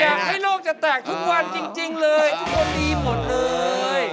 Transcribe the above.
อยากให้โลกจะแตกทุกวันจริงเลยทุกคนดีหมดเลย